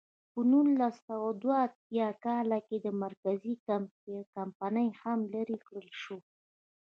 په نولس سوه دوه اتیا کال کې له مرکزي کمېټې هم لرې کړل شو.